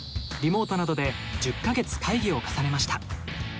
リモートなどで１０か月会議を重ねました。